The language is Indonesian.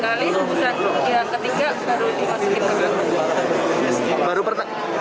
kemudian yang ketiga baru dimasukin ke dalam rumah